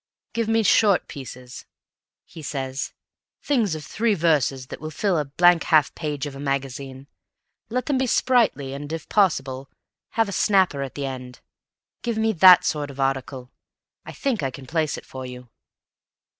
"Give me short pieces," he says; "things of three verses that will fill a blank half page of a magazine. Let them be sprightly, and, if possible, have a snapper at the end. Give me that sort of article. I think I can place it for you."